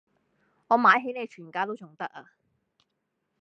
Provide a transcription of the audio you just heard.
我買起你全家都重得呀